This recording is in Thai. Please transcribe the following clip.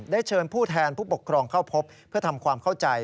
เชิญผู้แทนผู้ปกครองเข้าพบเพื่อทำความเข้าใจ